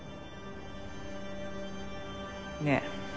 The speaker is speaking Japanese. ねえ。